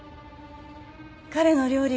彼の料理